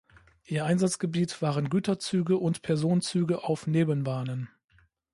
Ihr Einsatzgebiet waren Güterzüge und Personenzüge auf Nebenbahnen.